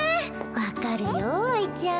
分かるよ愛ちゃん。